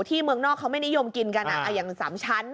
เมืองนอกเขาไม่นิยมกินกันอย่าง๓ชั้น